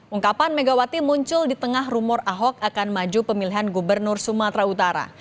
ungkapan megawati muncul di tengah rumor ahok akan maju pemilihan gubernur sumatera utara